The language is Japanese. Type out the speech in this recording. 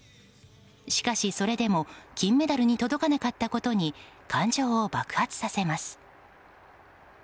しかし、それでも金メダルに届かなかったことに感情を爆発させます。